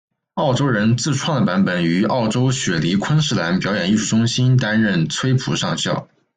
澳洲人自创的版本于澳洲雪梨昆士兰表演艺术中心担任崔普上校。